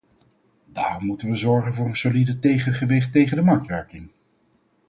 Daarom moeten we zorgen voor een solide tegengewicht tegen de marktwerking.